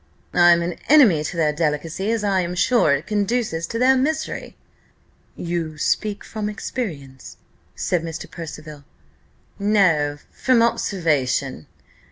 "I'm an enemy to their delicacy, as I am sure it conduces to their misery." "You speak from experience?" said Mr. Percival. "No, from observation.